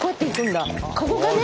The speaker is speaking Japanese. ここがね